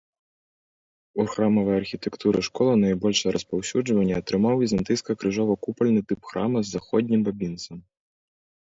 У храмавай архітэктуры школы найбольшае распаўсюджванне атрымаў візантыйскі крыжова-купальны тып храма з заходнім бабінцам.